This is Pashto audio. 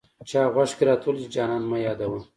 چا غوږ کي راته وويل، چي جانان مه يادوه